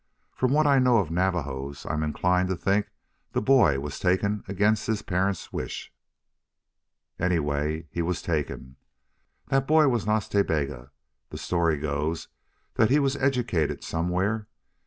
From what I know of Navajos I'm inclined to think the boy was taken against his parents' wish. Anyway, he was taken. That boy was Nas Ta Bega. The story goes that he was educated somewhere.